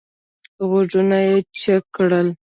غوږونه یې څک کړل.